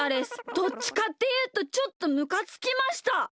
どっちかっていうとちょっとむかつきました。ですよね。